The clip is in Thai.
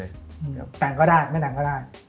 แต่งก็ได้ไม่แต่งก็ได้